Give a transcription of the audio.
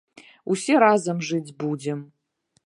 Усе разам жыць будзем!